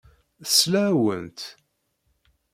Tesla-awent.